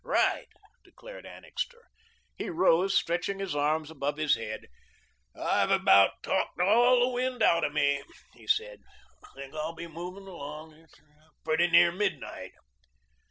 "Right," declared Annixter. He rose, stretching his arms above his head. "I've about talked all the wind out of me," he said. "Think I'll be moving along. It's pretty near midnight."